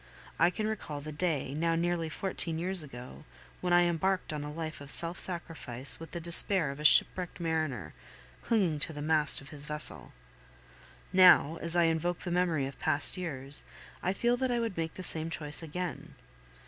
I can recall the day, now nearly fourteen years ago, when I embarked on a life of self sacrifice with the despair of a shipwrecked mariner clinging to the mast of his vessel; now, as I invoke the memory of past years, I feel that I would make the same choice again.